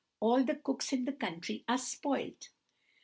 All the cooks in the country are spoilt!"